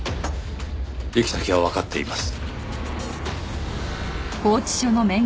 行き先はわかっています。